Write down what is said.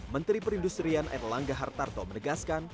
menteri perindustrian erlangga hartarto menegaskan